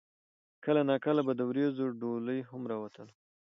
کله نا کله به د وريځو ډولۍ هم راوتله